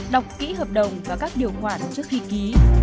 đọc kỹ hợp đồng và các điều khoản trước khi ký